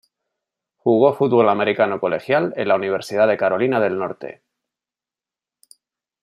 Jugó fútbol americano colegial en la Universidad de Carolina del Norte.